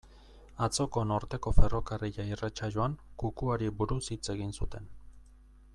Atzoko Norteko Ferrokarrila irratsaioan, kukuari buruz hitz egin zuten.